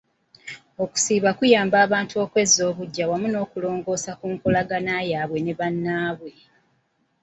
Okusiiba kuyamba abantu okwezza obuggya wamu n'okulongoosa ku nkolagana yaabwe ne bannaabwe.